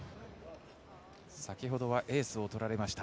先ほどはエースを取られました。